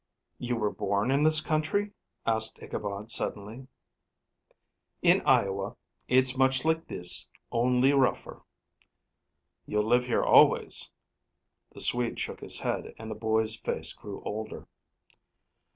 "You were born in this country?" asked Ichabod suddenly. "In Iowa. It's much like this only rougher." "You'll live here, always?" The Swede shook his head and the boy's face grew older.